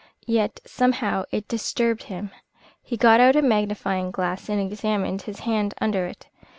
Yet somehow it disturbed him. He got out a magnifying glass and examined his hand under it.